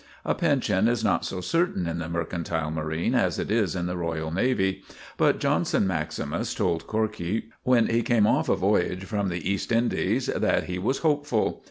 A pension is not so certain in the mercantile marine as it is in the Royal Navy; but, Johnson maximus told Corkey, when he came off a voyage from the East Indies, that he was hopeful.